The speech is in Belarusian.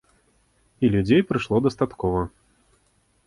І людзей прыйшло дастаткова.